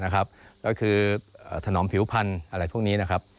ก็คือถนอมผิวพันธุ์อะไรพวกนี้นะครับ